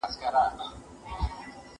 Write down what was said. موږ ئې غله تا دي خدای را جوړ کي.